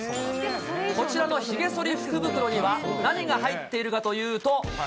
こちらのひげそり福袋には、何が入っているかというと。